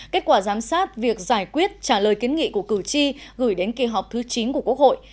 kết quả giám sát việc giải quyết trả lời kiến nghị của cử tri gửi đến kỳ họp thứ chín của quốc hội